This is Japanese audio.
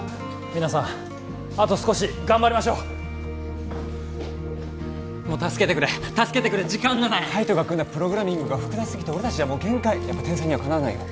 皆さんあと少し頑張りましょうもう助けてくれ助けてくれ時間がない海斗が組んだプログラミングが複雑すぎて俺達じゃもう限界やっぱ天才にはかなわないよ